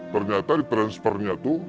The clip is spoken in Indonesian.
ternyata di transfernya tuh